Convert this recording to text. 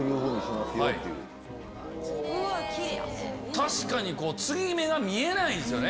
確かに継ぎ目が見えないですよね。